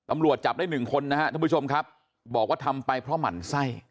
ตำรวจจับได้หนึ่งคนนะครับท่านผู้ชมครับบอกว่าทำไปเพราะหมั่นไส้